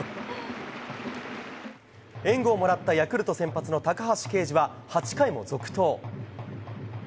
援護をもらったヤクルト先発の高橋奎二は８回も続投。